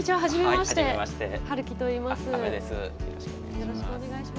よろしくお願いします。